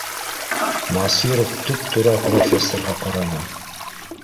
— Насиров туп- тура профессорға ҡараны